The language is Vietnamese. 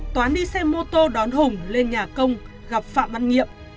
toán đi xe mô tô đón hùng lên nhà công gặp phạm văn nhiệm